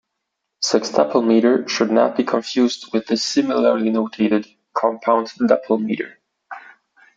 Sextuple metre should not be confused with the similarly notated compound duple metre.